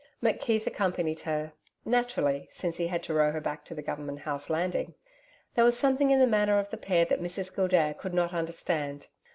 McKeith accompanied her naturally, since he had to row her back to the Government House landing. There was something in the manner of the pair that Mrs Gildea could not understand.